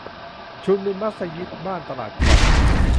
ชุมชนมัสยิดบ้านตลาดขวัญ